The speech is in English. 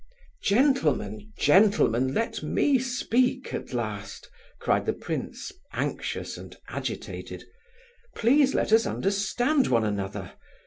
"Gentlemen, gentlemen, let me speak at last," cried the prince, anxious and agitated. "Please let us understand one another.